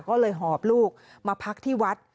ก็เลยหอบลูกมาพักที่วัด